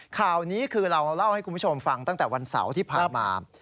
ข่าวนี้คือเราเล่าให้คุณผู้ชมฟังตั้งแต่วันเสาร์ที่ผ่านมา